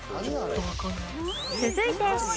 続いてＣ。